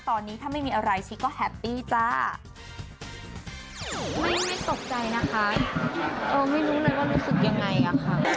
ตอนนี้ถ้าไม่มีอะไรชิก็แฮปปี้จ้าไม่ได้ตกใจนะคะเออไม่รู้เลยว่ารู้สึกยังไงอ่ะค่ะ